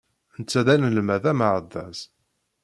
Netta d anelmad ameɛdaz.